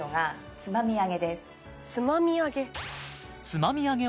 つまみあげ